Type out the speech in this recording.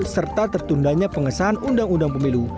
serta tertundanya pengesahan undang undang pemilu